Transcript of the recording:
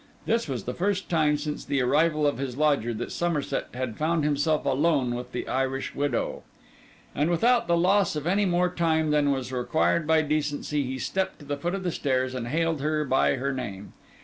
This was the first time since the arrival of his lodger, that Somerset had found himself alone with the Irish widow; and without the loss of any more time than was required by decency, he stepped to the foot of the stairs and hailed her by her name.